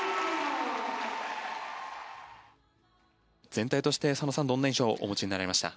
全体として佐野さんどんな印象をお持ちでした？